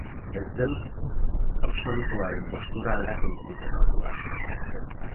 Ezdeus absolutuaren postura aldatu ninduten orduan.